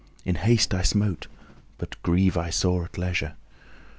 In haste I smote, but grieve I sore at leisure!"